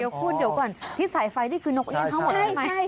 เดี๋ยวคุณเดี๋ยวก่อนที่สายไฟนี่คือนกเลี่ยงทั้งหมดใช่ไหม